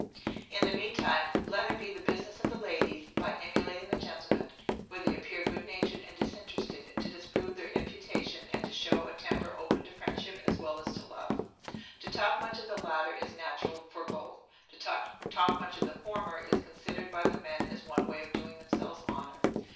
In the mean time, let it be the business of the ladies, by emulating the gentlemen, where they appear good natured and disinterested, to disprove their imputation, and to show a temper open to friendship as well as to love. To talk much of the latter is natural for both; to talk much of the former, is considered by the men as one way of doing themselves honor.